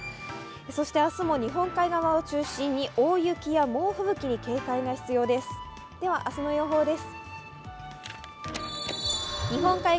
そして明日も日本海側を中心に大雪や猛吹雪に警戒が必要です。